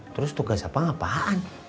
terus tugas apa ngapaan